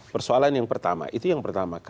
persoalan yang pertama itu yang pertama